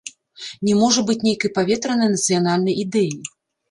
Не можа быць нейкай паветранай нацыянальнай ідэі.